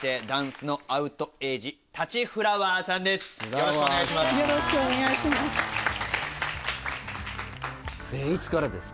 よろしくお願いします。